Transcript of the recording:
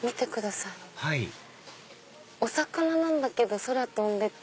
はいお魚なんだけど空飛んでて。